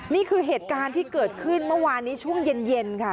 นี่คือเหตุการณ์ที่เกิดขึ้นเมื่อวานนี้ช่วงเย็นค่ะ